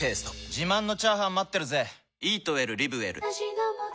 自慢のチャーハン待ってるぜ！